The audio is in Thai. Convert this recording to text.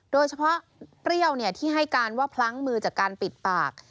เปรี้ยวที่ให้การว่าพลั้งมือจากการปิดปาก